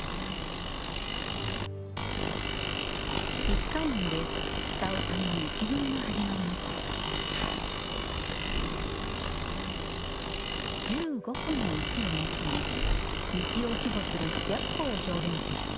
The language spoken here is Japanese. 一華院で千さんの石組みが始まりました１５個の石を用い西を守護する白虎を表現します